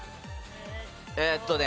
えっとね。